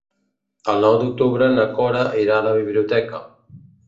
El nou d'octubre na Cora irà a la biblioteca.